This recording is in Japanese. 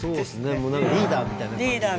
もう何かリーダーみたいな感じで。